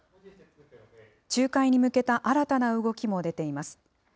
仲介に向けた新たな動きも出ています。